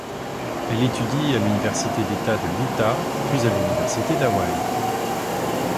Elle étudie à l'université d'État de l'Utah, puis à l'université d'Hawaï.